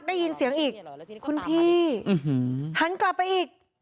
ได้ยินเสียงอีกคุณพี่หันกลับไปอีก